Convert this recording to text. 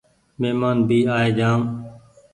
مهمان بي آئي جآم